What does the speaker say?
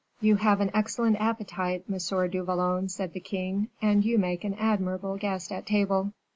"You have an excellent appetite, M. du Vallon," said the king, "and you make an admirable guest at table."